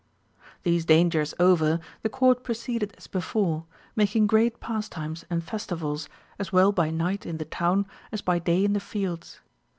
These dangers over the court proceeded as before, making great pastimes and festivals as well by night in the town, as by day in the fields.